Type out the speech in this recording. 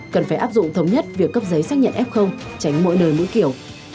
cần phải áp dụng thống nhất việc cấp giấy xác nhận f tránh mỗi nơi mỗi kiểu